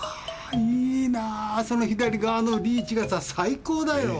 いいなその左側のリーチがさ最高だよ。